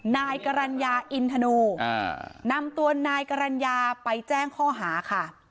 นายกรรณญาอินทนูนำตัวนายกรรณญาไปแจ้งข้อหาค่ะ